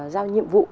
giao nhiệm vụ